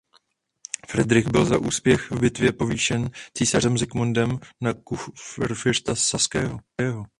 Fridrich byl za úspěch v bitvě povýšen císařem Zikmundem na kurfiřta saského.